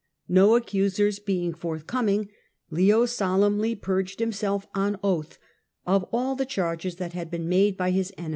No ac :users being forthcoming, Leo solemnly purged himself ! m oath of all the charges that had been made by his memies.